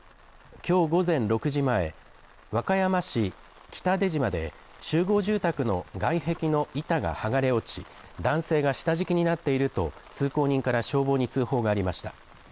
きょう午前６時前、和歌山市北出島で集合住宅の外壁の板が剥がれ落ち、男性が下敷きになっていると通行人から消防に通報がありました。